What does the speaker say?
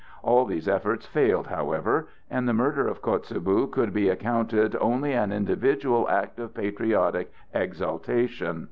All these efforts failed, however, and the murder of Kotzebue could be accounted only an individual act of patriotic exaltation.